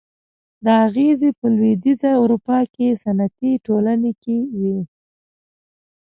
دا اغېزې په لوېدیځه اروپا کې صنعتي ټولنې کې وې.